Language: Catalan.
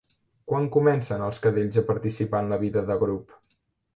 Quan comencen els cadells a participar en la vida de grup?